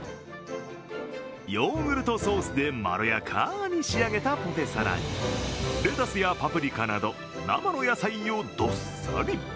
ヨーグルトソースでまろやかに仕上げたポテサラにレタスやパプリカなど生の野菜をどっさり。